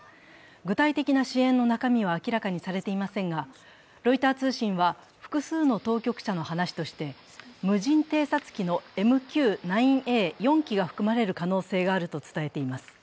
具体的な支援の中身は明らかにされていませんが、ロイター通信は、複数の当局者の話として、無人偵察機のＭＱ−９Ａ４機が含まれる可能性があると伝えています。